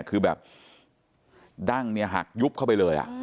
คือแบบดั้งเนี่ยหักยุบเข้าไปเลย